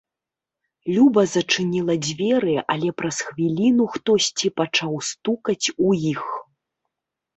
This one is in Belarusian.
Люба зачыніла дзверы, але праз хвіліну хтосьці пачаў стукаць у іх.